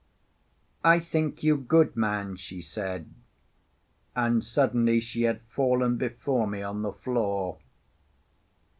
"I think you good man," she said. And suddenly she had fallen before me on the floor.